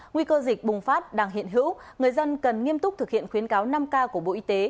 nguy cơ dịch bùng phát đang hiện hữu người dân cần nghiêm túc thực hiện khuyến cáo năm k của bộ y tế